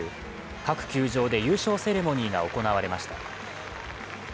各球場で優勝セレモニーが行われました。